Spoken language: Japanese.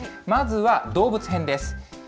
まずは動物編です。